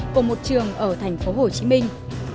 của một trường ở thành phố hồ chí minh